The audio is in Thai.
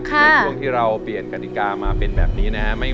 ในช่วงที่เราเปลี่ยนกฎิกามาเป็นแบบนี้นะครับ